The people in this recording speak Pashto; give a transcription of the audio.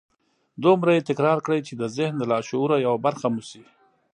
دومره يې تکرار کړئ چې د ذهن د لاشعور يوه برخه مو شي.